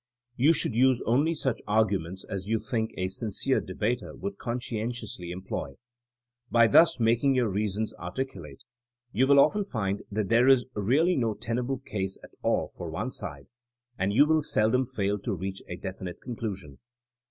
You should use only such arguments as you think a sincere debater would conscientiously employ. By thus making your reasons articu late you will often find that there is really no tenable case at all for one side, and you will seldom fail to reach a definite conclusion.